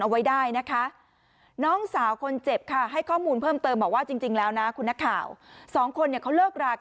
เอาไว้ได้นะคะ